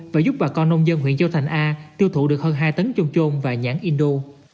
và giúp bà con nông dân huyện châu thành a tiêu thụ được hơn hai tấn chôm trôn và nhãn indo